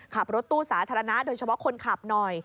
ขับรถตู้สาธารณะโดยเฉพาะคนขับหน่อย